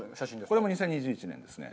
これも２０２１年ですね。